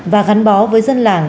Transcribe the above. và gắn bó với dân làng